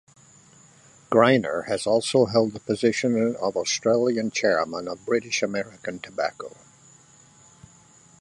Greiner has also held the position of Australian chairman of British American Tobacco.